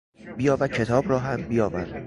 بیا و کتاب را هم بیاور.